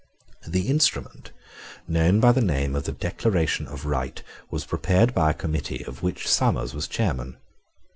This instrument, known by the name of the Declaration of Right, was prepared by a committee, of which Somers was chairman.